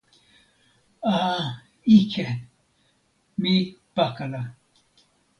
a, ike. mi pakala.